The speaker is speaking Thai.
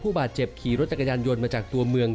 บาดเจ็บขี่รถจักรยานยนต์มาจากตัวเมือง